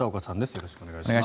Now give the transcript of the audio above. よろしくお願いします。